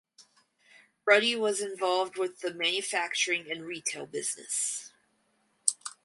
Ruddy was involved with the manufacturing and retail business.